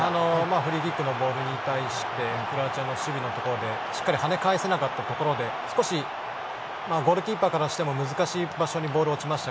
フリーキックのボールに対してクロアチアの守備のところでしっかり跳ね返せなかったところで少しゴールキーパーからしても難しい場所にボールが落ちました